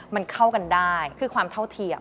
มันเข้ากันได้คือความเท่าเทียม